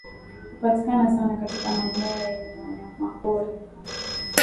Hupatikana sana katika maeneo yenye wanyamapori